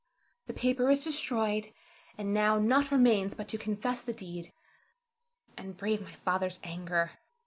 The paper is destroyed, and now nought remains but to confess the deed, and brave my father's anger.